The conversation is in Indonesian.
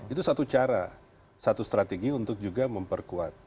itu satu cara satu strategi untuk juga memperkuat